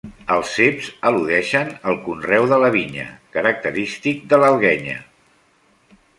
Els ceps al·ludeixen al conreu de la vinya, característic de l'Alguenya.